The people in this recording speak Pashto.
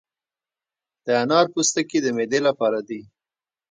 د انار پوستکي د معدې لپاره دي.